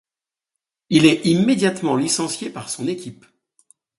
Il est immédiatement licencié par son équipe.